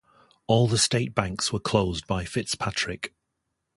All the state banks were closed by Fitzpatrick.